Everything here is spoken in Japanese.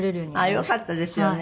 よかったですよね。